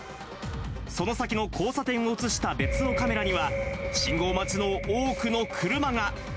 その先の交差点を写した別のカメラには、信号待ちの多くの車が。